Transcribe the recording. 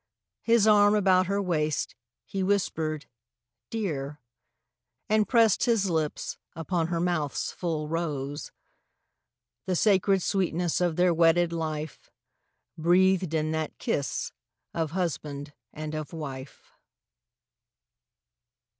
His arm about her waist, he whispered "Dear," And pressed his lips upon her mouth's full rose— The sacred sweetness of their wedded life Breathed in that kiss of husband and of wife.